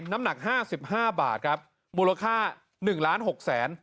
น้ำหนักห้าสิบห้าบาทครับมูลค่าหนึ่งล้านหกแสน